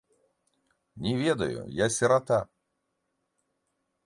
Не ведаю, я сірата.